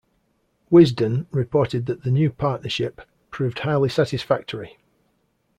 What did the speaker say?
"Wisden" reported that the new partnership "proved highly satisfactory".